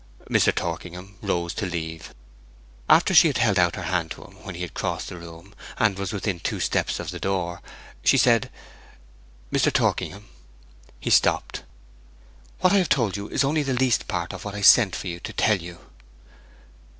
Mr. Torkingham rose to leave. After she had held out her hand to him, when he had crossed the room, and was within two steps of the door, she said, 'Mr. Torkingham.' He stopped. 'What I have told you is only the least part of what I sent for you to tell you.'